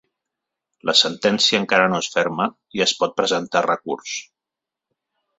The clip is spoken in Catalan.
La sentència encara no és ferma i es pot presentar recurs.